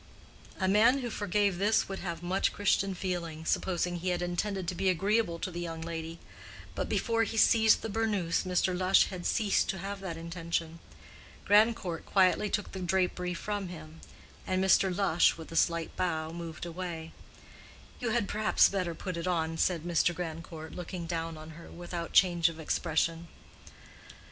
A man who forgave this would have much Christian feeling, supposing he had intended to be agreeable to the young lady; but before he seized the burnous Mr. Lush had ceased to have that intention. Grandcourt quietly took the drapery from him, and Mr. Lush, with a slight bow, moved away. "You had perhaps better put it on," said Mr. Grandcourt, looking down on her without change of expression.